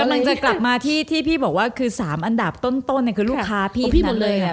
กำลังจะกลับมาที่ที่พี่บอกว่าคือ๓อันดับต้นคือลูกค้าพี่หมดเลย